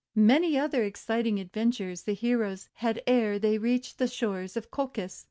Many other exciting adventures the heroes had ere they reached the shore of Colchis.